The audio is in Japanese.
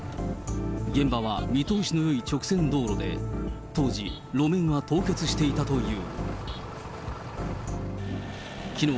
現場は見通しのよい直線道路で、当時、路面が凍結していたという。